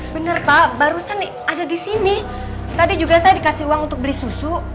bener pak barusan ada di sini tadi juga saya dikasih uang untuk beli susu